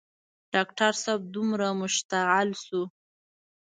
ډاکټر صاحب دومره مشتعل شو.